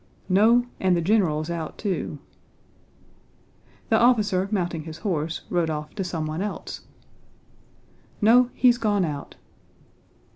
"No, and the general's out too." The officer, mounting his horse, rode off to someone else. "No, he's gone out."